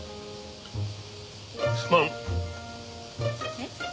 えっ？